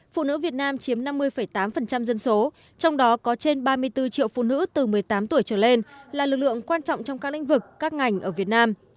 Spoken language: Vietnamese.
phụ nữ việt nam chiếm năm mươi tám dân số trong đó có trên ba mươi bốn triệu phụ nữ từ một mươi tám tuổi trở lên là lực lượng quan trọng trong các lĩnh vực các ngành ở việt nam